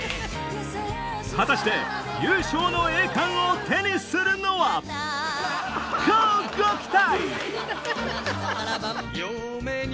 果たして優勝の栄冠を手にするのは⁉乞うご期待！